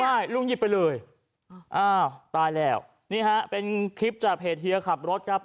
ใช่ลุงหยิบไปเลยอ้าวตายแล้วนี่ฮะเป็นคลิปจากเพจเฮียขับรถครับ